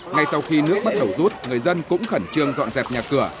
ngay sau khi nước bắt đầu rút người dân cũng khẩn trương dọn dẹp nhà cửa